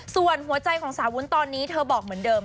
ส่วนหัวใจของสาววุ้นตอนนี้เธอบอกเหมือนเดิม